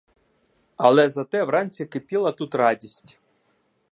Але зате вранці кипіла тут радість.